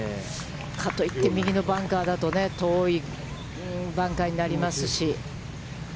かといって右のバンカーだと遠いバンカーになりますし。